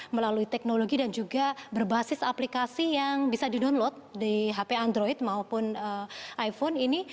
melalui teknologi dan juga berbasis aplikasi yang bisa di download di hp android maupun iphone ini